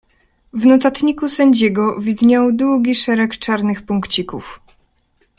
"W notatniku sędziego widniał długi szereg czarnych punkcików."